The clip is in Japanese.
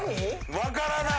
分からない？